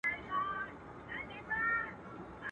د ګیدړ په باټو ډېر په ځان غره سو.